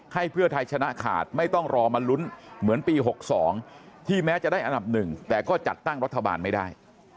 ให้เพื่อไทยชนะขาดไม่ต้องรอมาลุ้นเหมือนปี๖๒ที่แม้จะได้อันดับหนึ่งแต่ก็จัดตั้งรัฐบาลไม่ได้